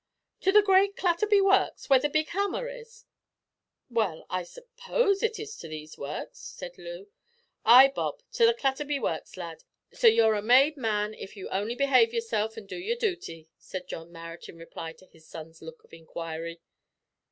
"To the great Clatterby Works, where the big hammer is?" "Well, I suppose it is to these works," said Loo. "Ay, Bob, to the Clatterby Works, lad; so you're a made man if you only behave yourself and do your dooty," said John Marrot in reply to his son's look of inquiry.